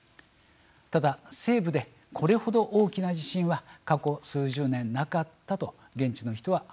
ただ西部でこれほど大きな地震は過去数十年なかったと現地の人は話しています。